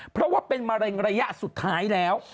เพราะว่าเป็นมะเร็งระยะสุดท้ายแล้ว